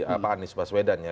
ani subaswedan ya